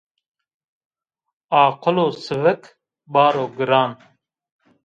Aqilo sivik, baro giran.